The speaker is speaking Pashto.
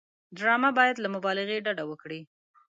ډرامه باید له مبالغې ډډه وکړي